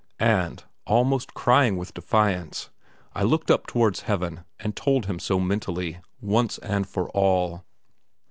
And, almost crying with defiance, I looked up towards Heaven and told Him so mentally, once and for all.